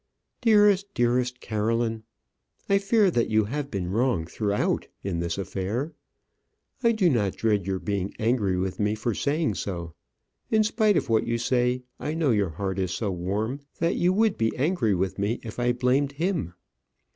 Dearest, dearest Caroline, I fear that you have been wrong throughout in this affair. I do not dread your being angry with me for saying so. In spite of what you say, I know your heart is so warm that you would be angry with me if I blamed him.